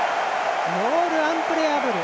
モールアンプレアブル。